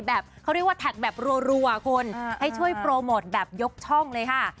เขาเรียกว่าแท็กแบบรัวคุณให้ช่วยโปรโมทแบบยกช่องเลยค่ะ